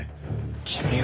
君は。